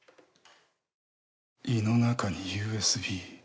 胃の中にＵＳＢ。